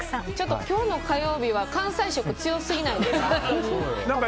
今日の火曜日は関西色強すぎないですか？